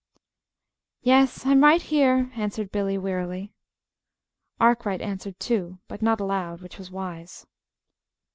"Yes, I'm right here," answered Billy, wearily. Arkwright answered, too, but not aloud which was wise.